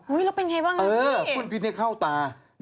อุ๊ยแล้วเป็นยังไงบ้างอันนี้พ่นพิษเข้าตา